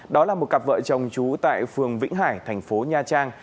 đó là một cặp vợ chồng trú tại phường vĩnh hải thành phố nha trang